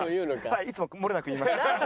いつももれなく言います。